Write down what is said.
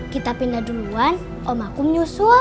kita pindah duluan om aku nyusul